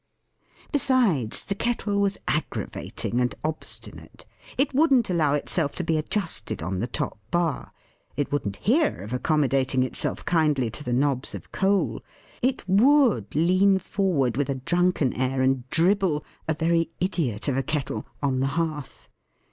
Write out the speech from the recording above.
Besides, the Kettle was aggravating and obstinate. It wouldn't allow itself to be adjusted on the top bar; it wouldn't hear of accommodating itself kindly to the knobs of coal; it would lean forward with a drunken air, and dribble, a very Idiot of a Kettle, on the hearth.